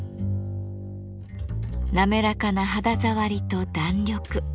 滑らかな肌触りと弾力。